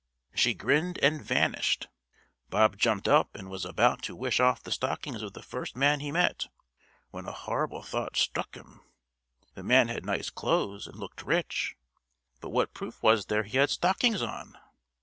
She grinned and vanished. Bob jumped up and was about to wish off the stockings of the first man he met, when a horrible thought struck him. The man had nice clothes and looked rich, but what proof was there he had stockings on?